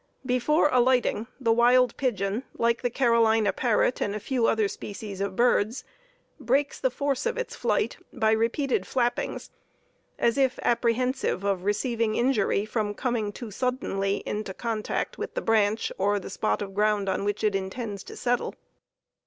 Before alighting, the wild pigeon, like the Carolina parrot and a few other species of birds, breaks the force of its flight by repeated flappings, as if apprehensive of receiving injury from coming too suddenly into contact with the branch or the spot of ground on which it intends to settle.